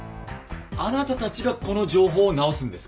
あなたたちがこの情報を直すんですか？